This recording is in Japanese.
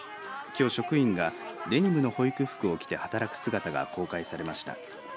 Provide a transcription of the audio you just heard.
きょう職員がデニムの保育服を着て働く姿が公開されました。